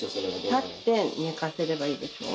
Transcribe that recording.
立って寝かせればいいでしょう。